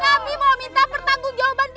kami mau minta pertanggung jawaban